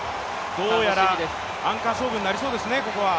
どうやらアンカー勝負になりそうですね、ここは。